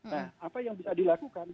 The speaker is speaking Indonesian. nah apa yang bisa dilakukan